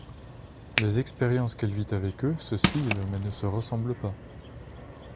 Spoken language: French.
Les expériences qu'elle vit avec eux se suivent mais ne se ressemblent pas...